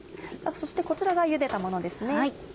そしてこちらが茹でたものですね。